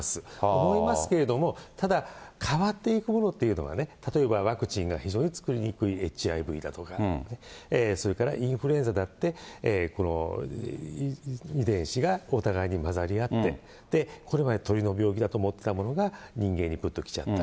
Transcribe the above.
思いますけれども、ただ、変わっていくものっていうのはね、例えば、ワクチンが非常に作りにくいＨＩＶだとか、それからインフルエンザだって、遺伝子がお互いに交ざり合って、これまで鶏の病気だと思っていたものが、人間にぷっときちゃったり。